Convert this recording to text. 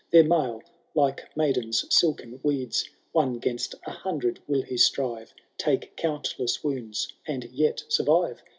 Their mail like maiden^s silken weeds ; One Against a hundred will he strive. Take countless wounds, and yet survive.